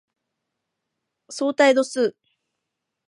相対度数